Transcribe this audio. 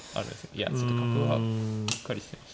いやちょっと角はうっかりしてました。